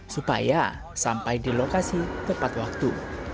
supaya sampai di lokasi tepat waktu